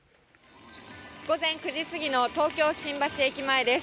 午前９時過ぎの東京・新橋駅前です。